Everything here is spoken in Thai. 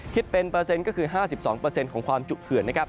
คิดเป็นเปอร์เซ็นต์ก็คือ๕๒ของความจุเขื่อนนะครับ